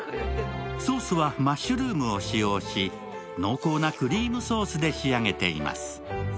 ソースはマッシュルームを使用し、濃厚なクリームソースで仕上げています。